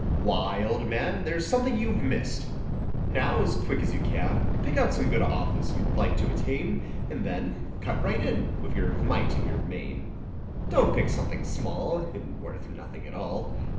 Why, old man There's something you've missed! Now as quick as you can Pick out some good office you'd like to attain And then, cut right in, with your might and your main. Don't pick something small And worth nothing at all.